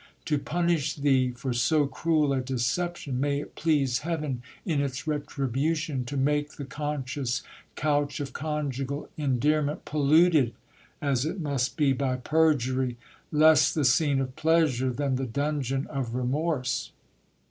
To punish thee for so cruel a deception, may it please heaven, in its retribution, to make the conscious couch of conjugal endearment, polluted as it must be by perjury, less the scene of pleasure than the dungeon of remorse